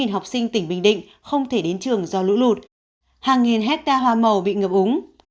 sáu mươi sáu học sinh tỉnh bình định không thể đến trường do lũ lụt hàng nghìn hecta hoa màu bị ngập úng